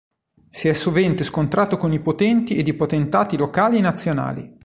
Si è sovente scontrato con i potenti ed i potentati locali e nazionali.